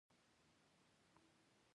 د کوهستان انګور ښه دي